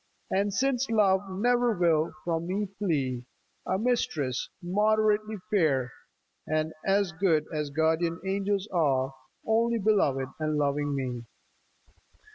And since Love ne'er will from me flee, ŌĆö A Mistress moderately fair, And good as guardian angels are, Only beloved, and loving me